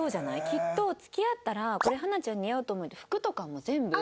きっと付き合ったら「これ花ちゃんに似合うと思う」って服とかも全部。